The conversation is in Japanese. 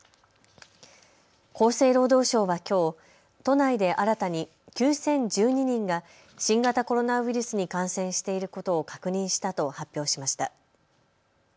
厚生労働省はきょう都内で新たに９０１２人が新型コロナウイルスに感染していることを確認したと発表しました。